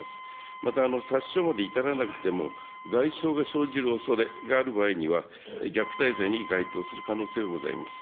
また殺傷まで至らなくても、外傷が生じるおそれがある場合には、虐待罪に該当する可能性がございます。